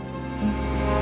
ketua kita harus mencari algar